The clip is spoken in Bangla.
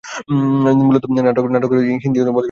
মূল নাটকের হিন্দি অনুবাদ করেছিলেন কুসুম কুমার।